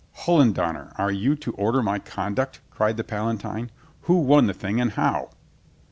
">Hdllendonner, are you to order my conduct?" cried the Palatine. "Who won the thing and how?"